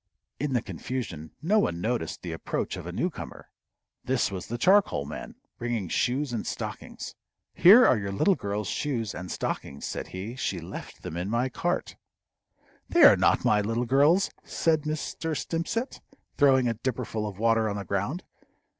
In the confusion no one noticed the approach of a newcomer. This was the charcoal man, bringing shoes and stockings. "Here are your little girl's shoes and stockings," said he. "She left them in my cart." "They are not my little girl's," said Mr. Stimpcett, throwing a dipperful of water on the ground.